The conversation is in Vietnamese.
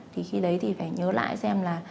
thì khi đấy thì phải nhớ lại xem là